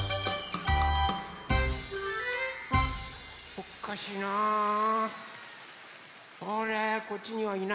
おっかしいな。